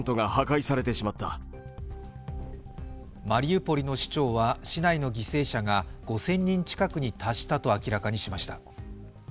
マリウポリの市長は市内の犠牲者が５０００人近くに達したと明らかにしました。